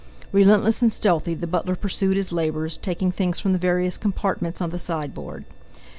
Relentless and stealthy, the butler pursued his labours, taking things from the various compartments of the sideboard.